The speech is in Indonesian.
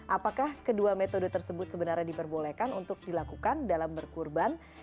apakah kedua metode tersebut sebenarnya diperbolehkan untuk dilakukan dalam berkurban